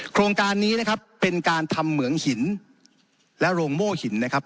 โครงการนี้นะครับเป็นการทำเหมืองหินและโรงโม่หินนะครับ